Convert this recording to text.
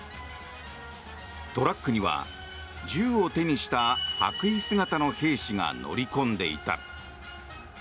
トラックには銃を手にした白衣姿の兵士が乗り込んでいた。